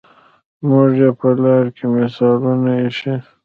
موږ يې په لار کې مشالونه ايښي